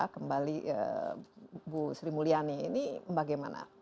kembali bu sri mulyani ini bagaimana